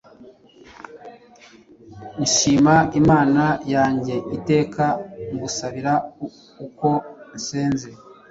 Nshima Imana yanjye iteka ngusabira uko nsenze,